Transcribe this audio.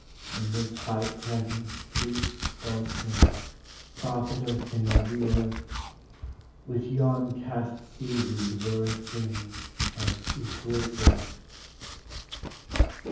In this high presence priest or king, Prophet or singer of the earth, With yon cast sea weed were a thing Of equal worth.